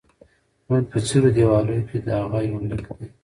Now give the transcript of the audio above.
ژوند په څيرو دېوالو کې: هغه یونلیک دی